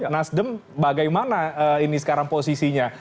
nasdem bagaimana ini sekarang posisinya